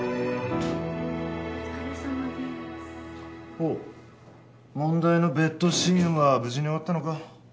おう問題のベッドシーンは無事に終わったのか？